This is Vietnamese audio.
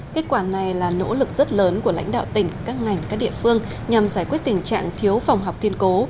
kết quả này là nỗ lực rất lớn của lãnh đạo tỉnh các ngành các địa phương nhằm giải quyết tình trạng thiếu phòng học kiên cố